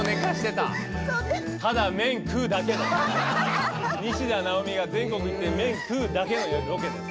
ただ麺食うだけの。西田尚美が全国行って麺食うだけのロケです。